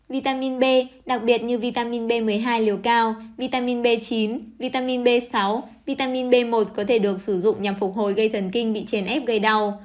vitamin b đặc biệt như vitamin b một mươi hai liều cao vitamin b chín vitamin b sáu vitamin b một có thể được sử dụng nhằm phục hồi gây thần kinh bị chèn ép gây đau